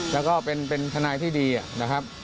แล้วก็เป็นทนายที่ดีนะครับ